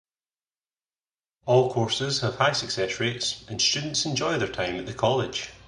All courses have high success rates, and students enjoy their time at the college.